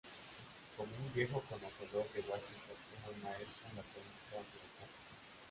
Como un viejo conocedor de Washington era un maestro en la política burocrática.